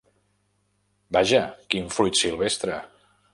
Vaja quin fruit silvestre!